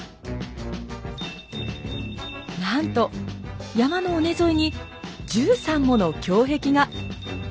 なんと山の尾根沿いに１３もの胸壁が。